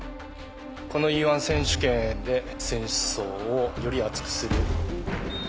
このＥ１選手権で選手層をより厚くする。